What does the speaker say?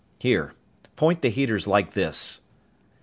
Here, point the heaters like this."